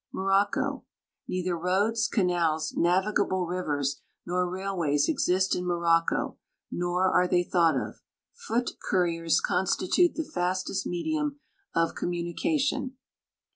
Morocco. Neither roads, canals, navigable rivers, nor railways exist in jNlorocco, nor are they thought of. Foot couriers constitute the fastest medium of communication.